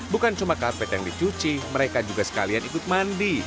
bukan cuma karpet yang dicuci mereka juga sekalian ikut mandi